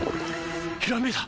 ひらめいた！